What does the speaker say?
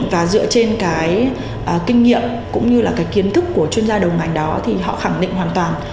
và dựa trên cái kinh nghiệm cũng như là cái kiến thức của chuyên gia đầu ngành đó thì họ khẳng định hoàn toàn